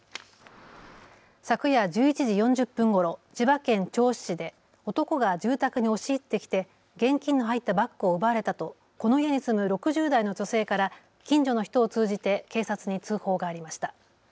昨夜１１時４０分ごろ、千葉県銚子市で男が住宅に押し入ってきて現金の入ったバッグを奪われたとこの家に住む６０代の女性から近所の人を通じて警察に通報がありました。